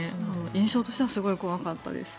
印象としてはすごく怖かったです。